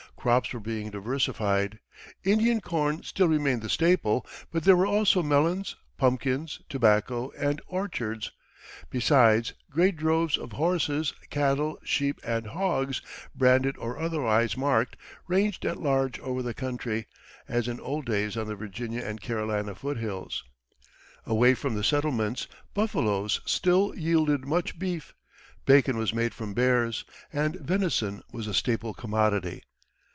Crops were being diversified: Indian corn still remained the staple, but there were also melons, pumpkins, tobacco, and orchards; besides, great droves of horses, cattle, sheep, and hogs, branded or otherwise marked, ranged at large over the country, as in old days on the Virginia and Carolina foot hills. Away from the settlements buffaloes still yielded much beef, bacon was made from bears, and venison was a staple commodity.